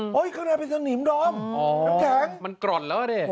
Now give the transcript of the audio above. เฮ้ยเข้าหน้าเป็นทางหนิมดอมอ๋อน้ำแข็งมันกร่อนแล้วอ่ะเนี้ย